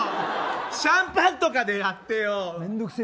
シャンパンとかでやってよ！